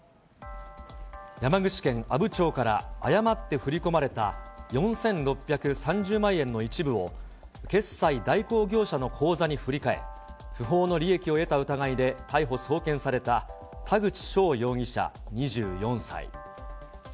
山口県阿武町から誤って振り込まれた４６３０万円の一部を、決済代行業者の口座に振り替え、不法の利益を得た疑いで逮捕・送検された田口翔容疑者２４歳。